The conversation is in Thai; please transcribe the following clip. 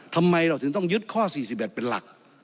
ทำไมเราถึงต้องยึดข้อ๔๑เป็นหลัก